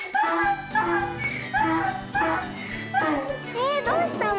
えどうしたの？